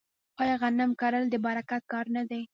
آیا غنم کرل د برکت کار نه دی؟